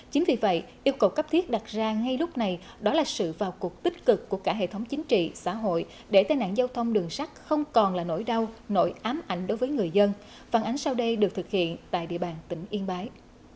chính vì vậy yêu cầu cấp thiết đặt ra ngay lúc này đó là sự vào cuộc tích cực của cả hệ thống chính trị xã hội để tai nạn giao thông đường sắt không còn là nỗi đau nỗi ám ảnh đối với người dân phản ánh sau đây được thực hiện tại địa bàn tỉnh yên bái